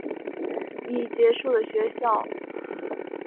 已结束的学校